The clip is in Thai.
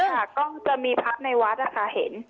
ค่ะก็จะมีพระในวัดอะค่ะเห็น